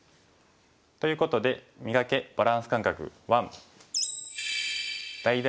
ということで「磨け！バランス感覚１」。